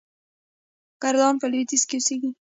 کردان په لویدیځ کې اوسیږي.